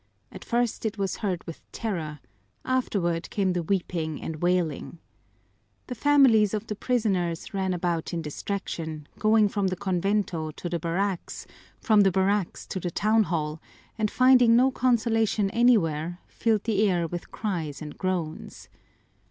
At first it was heard with terror; afterward came the weeping and wailing. The families of the prisoners ran about in distraction, going from the convento to the barracks, from the barracks to the town hall, and finding no consolation anywhere, filled the air with cries and groans.